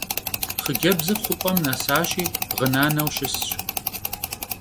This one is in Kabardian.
Xhıcebzır xhup'em nesaşi ğınaneu şısş.